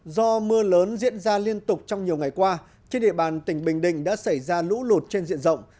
do mưa lớn diễn ra liên tục trong nhiều ngày qua trên địa bàn tỉnh bình định đã xảy ra lũ lụt trên diện rộng